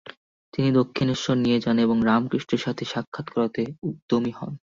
তিনি দক্ষিণেশ্বরে নিয়ে যান এবং রামকৃষ্ণের সাথে সাক্ষাত করাতে উদ্দমী হন।